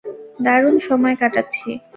দারুণ সময় কাটাচ্ছি।